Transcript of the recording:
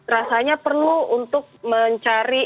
rasanya perlu untuk mencari